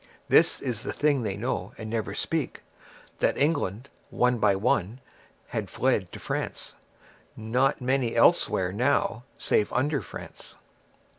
This is the thing they know and never speak, That England one by one had fled to France (Not many elsewhere now save under France).